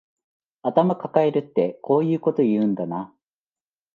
頭かかえるってこういうこと言うんだな